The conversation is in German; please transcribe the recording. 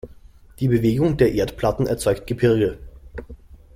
Die Bewegung der Erdplatten erzeugt Gebirge.